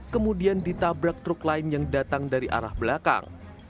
kemudian ditabrak truk lain yang datang dari arah belakang